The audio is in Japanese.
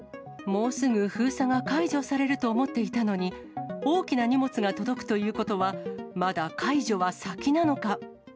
もうすぐ封鎖が解除されると思っていたのに、大きな荷物が届くということは、まだ解除は先なのか。